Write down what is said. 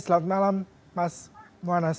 selamat malam mas mu'annas